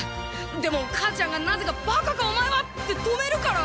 でも母ちゃんがなぜかバカかお前は！って止めるから。